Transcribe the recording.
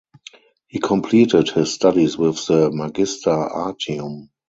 He completed his studies with the "Magister artium".